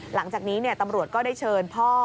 หลังจากนี้ตำรวจก็ได้เชิญพ่อ